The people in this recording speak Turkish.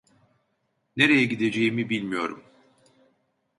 Nereye gideceğimi bilmiyorum.